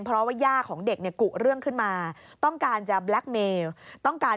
เพราะว่าย่าของเด็กเนี่ยกุเรื่องขึ้นมาต้องการจะแบล็คเมลต้องการ